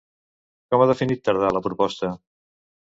Com ha definit Tardà la proposta?